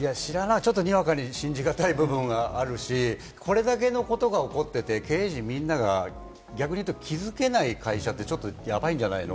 にわかに信じがたい部分もあるし、これだけのことが起こってて、経営陣みんなが逆に言うと気付ない会社って、ちょっとやばいんじゃないの？